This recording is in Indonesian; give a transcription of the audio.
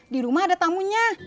dirumah ada tamunya